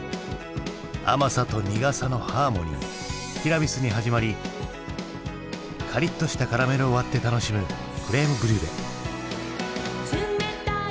甘さと苦さのハーモニーティラミスに始まりカリッとしたカラメルを割って楽しむクレームブリュレ。